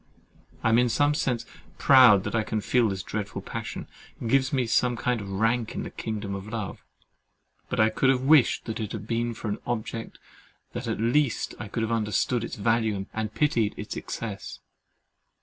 I am in some sense proud that I can feel this dreadful passion—it gives me a kind of rank in the kingdom of love—but I could have wished it had been for an object that at least could have understood its value and pitied its excess.